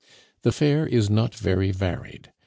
The fare is not very varied.